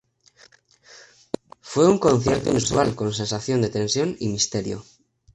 Fue un concierto inusual con sensación de tensión y misterio.